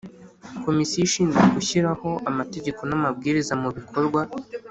Komisiyo ishinzwe gushyiraho amategeko n’amabwiriza mu bikorwa